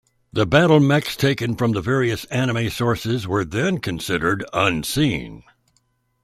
The BattleMechs taken from the various anime sources were then considered "Unseen".